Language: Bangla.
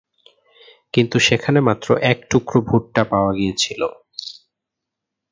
কিন্তু, সেখানে মাত্র এক টুকরো ভুট্টা পাওয়া গিয়েছিল।